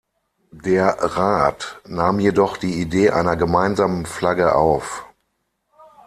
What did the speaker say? Der Rat nahm jedoch die Idee einer gemeinsamen Flagge auf.